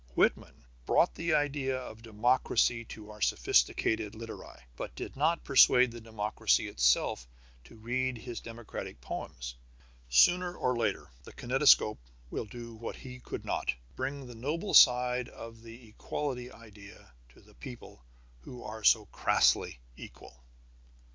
Whitman brought the idea of democracy to our sophisticated literati, but did not persuade the democracy itself to read his democratic poems. Sooner or later the kinetoscope will do what he could not, bring the nobler side of the equality idea to the people who are so crassly equal.